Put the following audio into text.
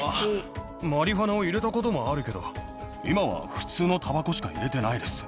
マリファナを入れたこともあるけど、今は普通のたばこしか入れてないです。